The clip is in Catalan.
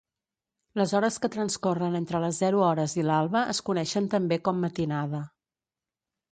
Les hores que transcorren entre les zero hores i l'alba es coneixen també com matinada.